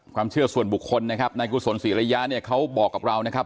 ความเชื่อส่วนบุคคลนะครับนายกุศลศรีระยะเนี่ยเขาบอกกับเรานะครับ